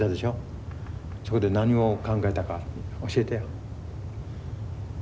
そこで何を考えたか教えてよ。